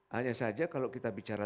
hanya saja kalau kita bicara